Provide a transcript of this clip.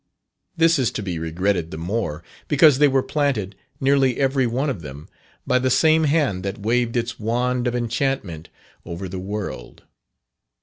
This is to be regretted the more, because they were planted, nearly every one of them, by the same hand that waved its wand of enchantment over the world.